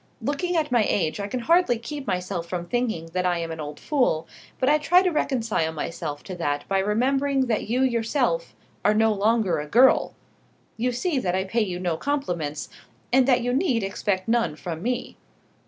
Looking at my age I can hardly keep myself from thinking that I am an old fool: but I try to reconcile myself to that by remembering that you yourself are no longer a girl. You see that I pay you no compliments, and that you need expect none from me.